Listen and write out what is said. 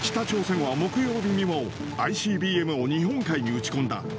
北朝鮮は木曜日にも、ＩＣＢＭを日本海に撃ち込んだ。